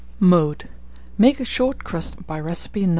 Mode. Make a short crust by recipe No.